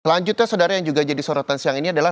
selanjutnya saudara yang juga jadi sorotan siang ini adalah